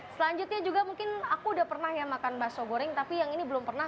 selanjutnya juga mungkin aku udah pernah ya makan bakso goreng tapi yang ini belum pernah